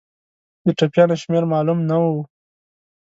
د ټپیانو شمېر معلوم نه وو.